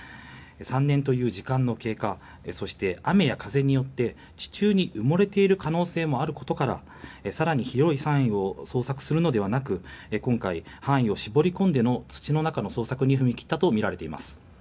３年という時間の経過そして、雨や風によって地中に埋もれている可能性もあることから更に広い範囲を捜索するのではなく今回、範囲を絞り込んでの土の中の捜索に踏み切ったとみられています。